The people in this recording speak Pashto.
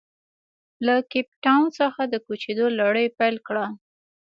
له کیپ ټاون څخه د کوچېدو لړۍ پیل کړه.